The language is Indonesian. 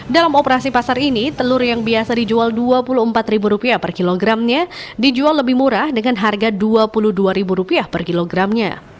dalam operasi pasar ini telur yang biasa dijual rp dua puluh empat per kilogramnya dijual lebih murah dengan harga rp dua puluh dua per kilogramnya